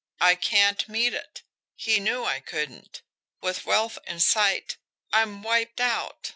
I can't meet it. He knew I couldn't. With wealth in sight I'm wiped out.